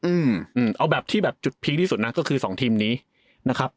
อืมเอาแบบที่แบบจุดพีคที่สุดนะก็คือสองทีมนี้นะครับ